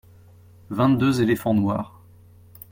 Vingt-deux éléphants noirs.